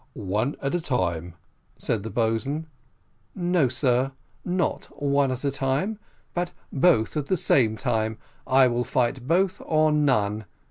"One at a time," said the boatswain. "No, sir, not one at a time, but both at the same time I will fight both or none.